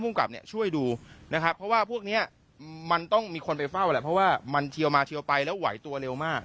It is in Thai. ไม่ได้คนไปเฝ้าแหละเพราะว่ามันเชียวมาเชียวไปแล้วไหวตัวเร็วมาก